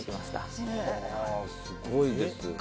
すごいです。